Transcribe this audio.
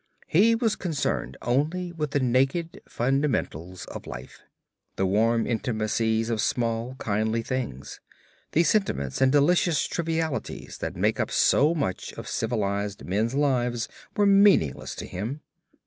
He was concerned only with the naked fundamentals of life. The warm intimacies of small, kindly things, the sentiments and delicious trivialities that make up so much of civilized men's lives were meaningless to him.